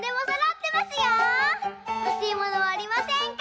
ほしいものはありませんか？